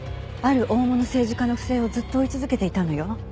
ある大物政治家の不正をずっと追い続けていたのよ。